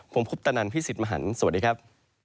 ผมคุปตะนันพี่สิทธิ์มหันฯสวัสดีครับ